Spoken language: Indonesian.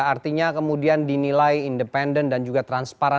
artinya kemudian dinilai independen dan juga transparan